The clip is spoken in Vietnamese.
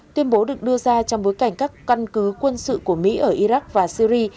tuyên bố được đưa ra trong bối cảnh các căn cứ quân sự của mỹ ở iraq và syri